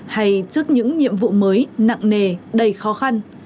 hay trước những nhiệm vụ mới nặng nề đầy khó khăn